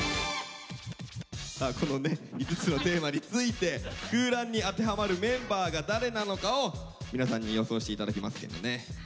このね５つのテーマについて空欄に当てはまるメンバーが誰なのかを皆さんに予想して頂きますけどね。